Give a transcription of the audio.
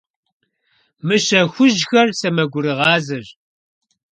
Мыщэ хужьхэр сэмэгурыгъазэщ.